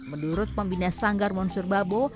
menurut pembina sanggar monsur babo